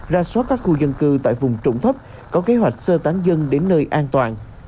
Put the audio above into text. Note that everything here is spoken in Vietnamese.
ra soát các khu dân cư tại vùng trụng thấp có kế hoạch sơ tán dân đến nơi an toàn